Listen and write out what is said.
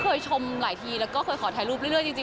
เคยชมหลายทีแล้วก็เคยขอถ่ายรูปเรื่อยจริง